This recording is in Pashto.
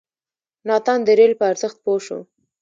ناتان د رېل په ارزښت پوه شو.